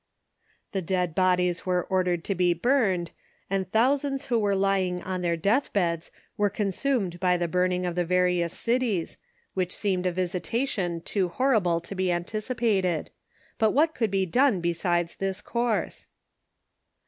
The dead bodies were ordered to be burned, and thou sands who were lying on their death beds were consumed by the burning of the various cities, which seemed a visi tation too horrible to be anticipated ; but what could be done beside this course